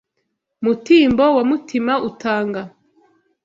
Mutimbo wa Mutima utanga